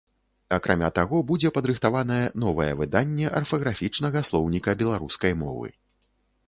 Акрамя таго, будзе падрыхтаванае новае выданне арфаграфічнага слоўніка беларускай мовы.